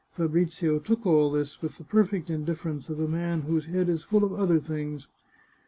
Fabrizio took all this with the perfect indifference of a man whose head is full of other things.